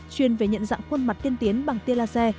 chuyên về nhận dạng khuôn mặt tiên tiến bằng tia laser